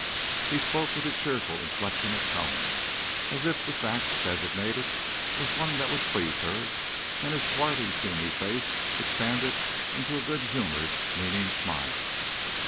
He spoke with a cheerful inflection of tone, as if the fact designated was one that would please her; and his swarthy, seamy face expanded into a good humored, meaning smile.